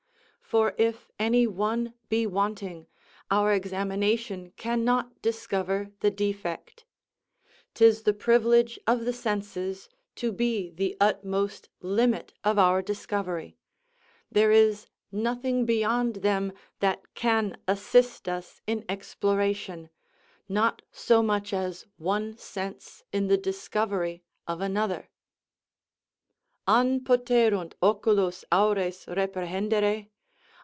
For if any one be wanting, our examination cannot discover the defect. 'Tis the privilege of the senses to be the utmost limit of our discovery; there is nothing beyond them that can assist us in exploration, not so much as one sense in the discovery of another: An poterunt oculos aures reprehendere?